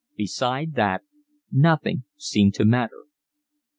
Beside that nothing seemed to matter.